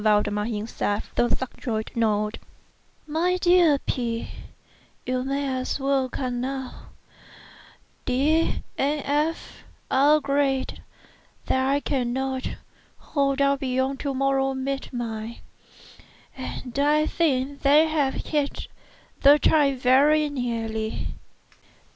Valdemar himself, the subjoined note: MY DEAR P——, You may as well come now. D—— and F—— are agreed that I cannot hold out beyond to morrow midnight; and I think they have hit the time very nearly.